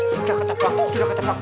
sudah ketebak sudah ketebak